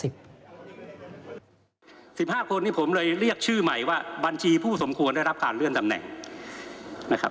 ๑๕คนนี้ผมเลยเรียกชื่อใหม่ว่าบัญชีผู้สมควรได้รับการเลื่อนตำแหน่งนะครับ